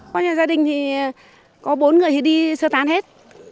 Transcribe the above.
có nhà gia đình thì có bốn người thì đi sơ tán hết